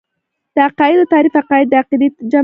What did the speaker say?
د عقايدو تعريف عقايد د عقيدې جمع ده .